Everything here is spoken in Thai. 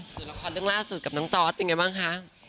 ส่วนละครเรื่องล่าสุดกับน้องจอร์ดเป็นไงบ้างคะ